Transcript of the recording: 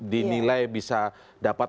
dinilai bisa dapat